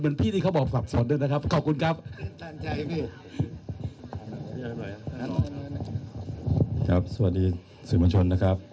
เหมือนพี่ที่เขาบอกสับสนด้วยนะครับขอบคุณครับสวัสดีสวัสดีมันชนนะครับ